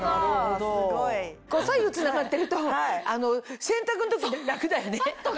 左右つながってると洗濯の時楽だよね。